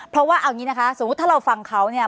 เพราะแน่นอนนะคะสมมุติถ้าเราฟังเขาเนี่ย